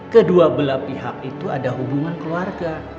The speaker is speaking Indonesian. kedua belah pihak itu ada hubungan keluarga